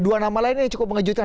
dua nama lain yang cukup mengejutkan